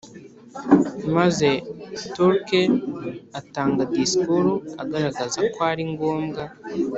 maze Torkel atanga disikuru agaragaza ko ari ngombwa